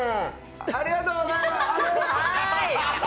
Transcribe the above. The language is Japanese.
ありがとうございます。